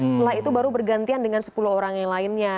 setelah itu baru bergantian dengan sepuluh orang yang lainnya